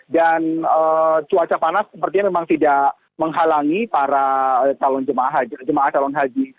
dan cuaca panas sepertinya memang tidak menghalangi para jamaah calon haji